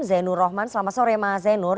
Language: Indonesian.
zainul rahman selamat sore maha zainul